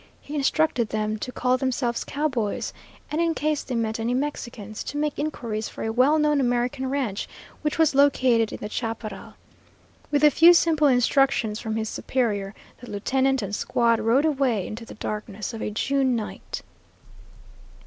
He instructed them to call themselves cowboys, and in case they met any Mexicans, to make inquiries for a well known American ranch which was located in the chaparral. With a few simple instructions from his superior, the lieutenant and squad rode away into the darkness of a June night.